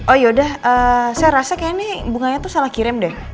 oh yaudah saya rasa kayaknya nih bunganya tuh salah kirim deh